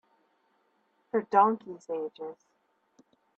For donkeys' ages.